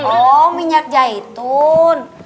oh minyak jahitun